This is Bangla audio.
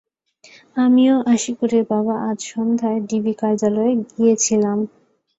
আমি ও আশিকুরের বাবা আজ সন্ধ্যায় ডিবি কার্যালয়ে গিয়েছিলাম।